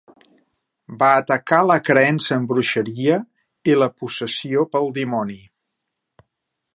Va atacar la creença en bruixeria i la "possessió" pel dimoni.